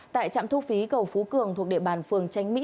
tại trạm thu phí cầu phú cường thuộc địa bàn phường tránh mỹ